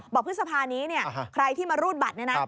บอกผู้ที่สภานี้ใครที่มารูดบัตร